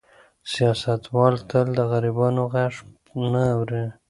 سیاستوال تل د غریبانو غږ نه اوري.